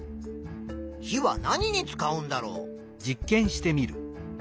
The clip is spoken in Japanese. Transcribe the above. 火は何に使うんだろう？